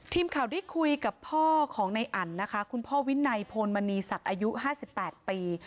ทีมข่าวได้คุยกับพ่อของในอันนะคะคุณพ่อวินัยโพลมณีศักดิ์อายุ๕๘ปี